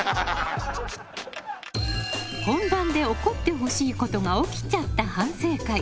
本番で起こってほしいことが起きちゃった反省会。